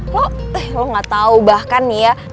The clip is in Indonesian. lo gak tau bahkan nih ya